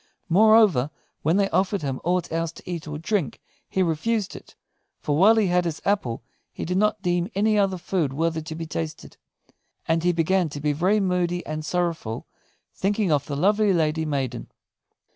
Moreover, when they offered him aught else to eat or drink he refused it; for while he had his apple he did not deem any other food worthy to be tasted. And he began to be very moody and sorrowful, thinking of the lovely fairy maiden.